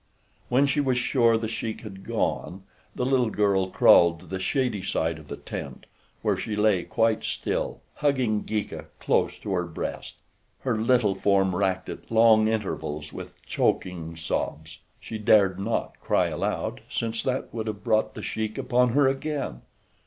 When she was sure The Sheik had gone, the little girl crawled to the shady side of the tent, where she lay quite still, hugging Geeka close to her breast, her little form racked at long intervals with choking sobs. She dared not cry aloud, since that would have brought The Sheik upon her again.